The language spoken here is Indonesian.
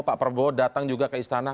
pak prabowo datang juga ke istana